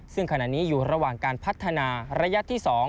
ซึ่งขณะนี้อยู่ระหว่างการพัฒนาระยะที่๒